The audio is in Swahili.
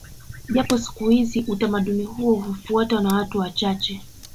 Japo siku hizi utamaduni huo hufuatwa na watu wachache